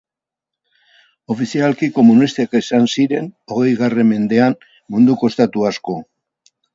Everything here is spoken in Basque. Ofizialki komunistak izan ziren, hogeigarren mendean, munduko estatu asko.